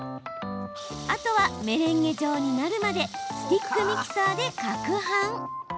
あとはメレンゲ状になるまでスティックミキサーでかくはん。